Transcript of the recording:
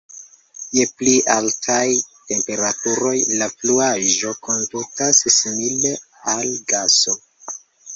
Je pli altaj temperaturoj, la fluaĵo kondutas simile al gaso.